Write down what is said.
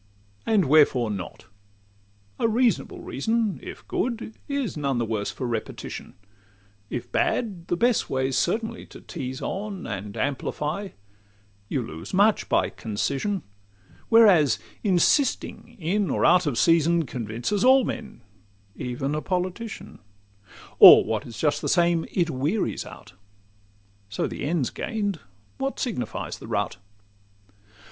And wherefore not? A reasonable reason, If good, is none the worse for repetition; If bad, the best way 's certainly to tease on, And amplify: you lose much by concision, Whereas insisting in or out of season Convinces all men, even a politician; Or—what is just the same—it wearies out. So the end 's gain'd, what signifies the route?